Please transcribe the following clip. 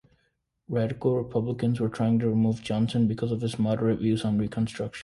Radical Republicans were trying to remove Johnson because of his moderate views on Reconstruction.